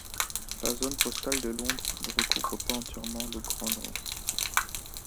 La zone postale de Londres ne recouvre pas entièrement le Grand Londres.